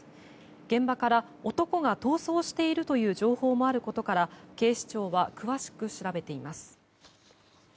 現場から、男が逃走しているという情報もあることから警視庁は詳しく調べています。